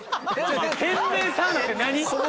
天然サウナって何？